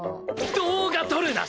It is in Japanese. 動画撮るな！